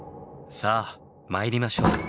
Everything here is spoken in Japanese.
さあ参りましょう。